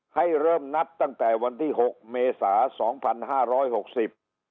ให้เริ่มนับตั้งแต่วันที่หกเมษาสองพันห้าร้อยหกสิบ